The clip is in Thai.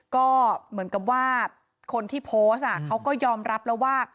ก็เหมือนกับว่าคนที่โพสต์เขาก็ยอมรับแล้วว่า